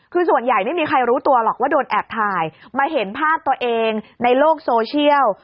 คือส่วนใหญ่ไม่มีใครรู้ตัวหรอกว่าโดนแอบถ่ายมาเห็นภาพตัวเองในโลกโซเชียล